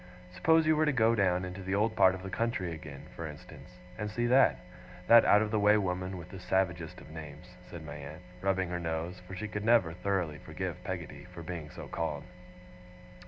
Suppose you were to go down into the old part of the country again, for instance, and see that that out of the way woman with the savagest of names,' said my aunt, rubbing her nose, for she could never thoroughly forgive Peggotty for being so called.